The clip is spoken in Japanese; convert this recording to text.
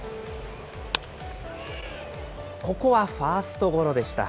ここはファーストゴロでした。